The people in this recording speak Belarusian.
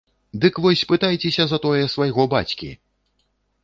Дык вось пытайся затое свайго бацькі!